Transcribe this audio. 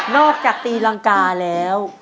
จากตีรังกาแล้ว